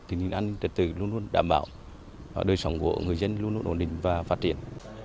tình hình an ninh trật tự luôn luôn đảm bảo đời sống của người dân luôn luôn ổn định và phát triển